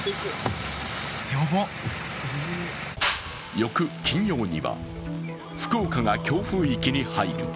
翌・金曜には福岡が強風域に入る。